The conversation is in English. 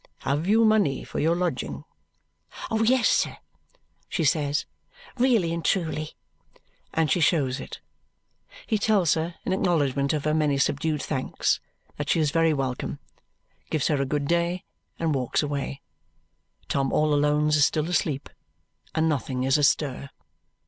Have you money for your lodging?" "Yes, sir," she says, "really and truly." And she shows it. He tells her, in acknowledgment of her many subdued thanks, that she is very welcome, gives her good day, and walks away. Tom all Alone's is still asleep, and nothing is astir.